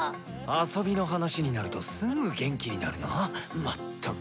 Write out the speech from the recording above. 遊びの話になるとすぐ元気になるな全く。